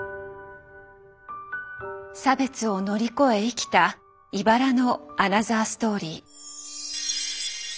差別を乗り越え生きたいばらのアナザーストーリー。